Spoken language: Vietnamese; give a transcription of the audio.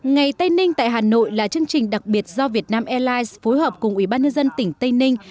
ngày tây ninh tại hà nội là chương trình đặc biệt do việt nam airlines phối hợp cùng ủy ban nhân dân tỉnh tây ninh